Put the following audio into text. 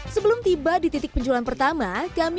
sebelum tiba di titik penjualan pertama kami memilih barang yang jatuh